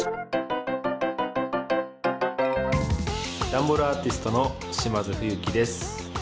ダンボールアーティストの島津冬樹です。